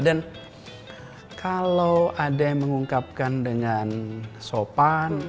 dan kalau ada yang mengungkapkan dengan sopan